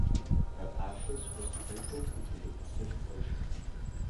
Her ashes were sprinkled into the Pacific Ocean.